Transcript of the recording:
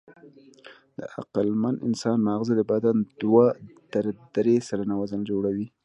د عقلمن انسان ماغزه د بدن دوه تر درې سلنه وزن جوړوي.